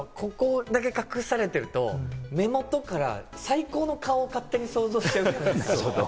ここだけ隠されてると、目元から最高の顔を勝手に想像するじゃないですか。